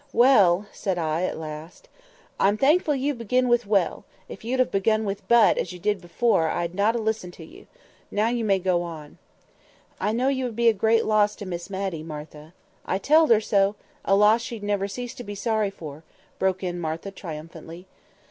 "Well"—said I at last. "I'm thankful you begin with 'well!' If you'd have begun with 'but,' as you did afore, I'd not ha' listened to you. Now you may go on." "I know you would be a great loss to Miss Matty, Martha"— "I telled her so. A loss she'd never cease to be sorry for," broke in Martha triumphantly.